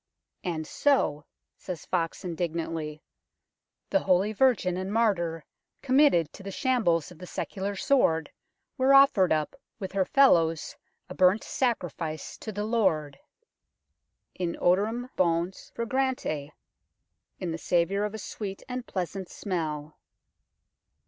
" And so," says Foxe indignantly, " the holy virgin and martyr, committed to the shambles of the secular sword, was offered up with her fellows a burnt sacrifice to the Lord, in odor em "bonce fragrantia "(" in the savour of a sweet and pleasant smell